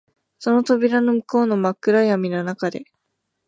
その扉の向こうの真っ暗闇の中で、